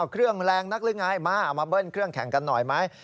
เครื่องแรงนักฤงร้อยมาอ่ามาเบิ้ลเครื่องแข่งกันหน่อยมั้ย